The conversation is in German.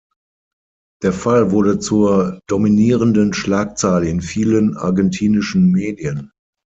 Der Fall wurde zur dominierenden Schlagzeile in vielen argentinischen Medien.